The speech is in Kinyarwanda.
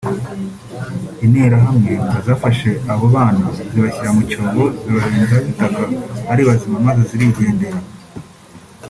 Interahamwe ngo zafashe abo bana zibashyira mu cyobo zibarenzaho itaka ari bazima maze zirigendera